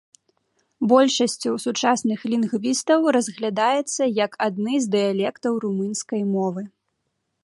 Большасцю сучасных лінгвістаў разглядаецца як адны з дыялектаў румынскай мовы.